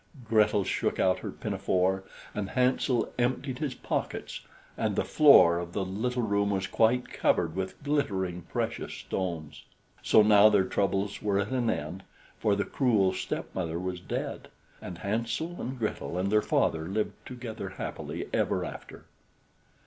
Gretel shook out her pinafore, and Hansel emptied his pockets, and the floor of the little room was quite covered with glittering precious stones. So now their troubles were at an end, for the cruel stepmother was dead, and Hansel and Gretel and their father lived together happily ever after.